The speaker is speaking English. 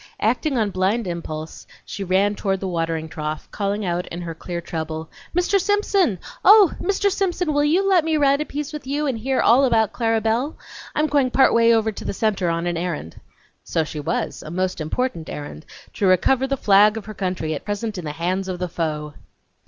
Acting on blind impulse, she ran toward the watering trough, calling out in her clear treble: "Mr. Simpson! Oh, Mr. Simpson, will you let me ride a piece with you and hear all about Clara Belle? I'm going part way over to the Centre on an errand." (So she was; a most important errand, to recover the flag of her country at present in the hands of the foe!)